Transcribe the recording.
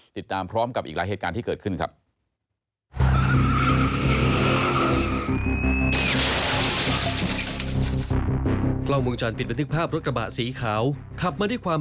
ติดตามพร้อมกับอีกหลายเหตุการณ์ที่เกิดขึ้นครับ